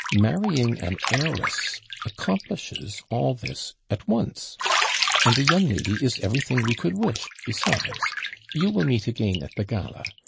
Marrying an heiress accomplishes all this at once; and the young lady is everything we could wish, besides you will meet again at the gala.